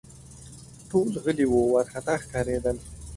ټول غلي وه ، وارخطا ښکارېدل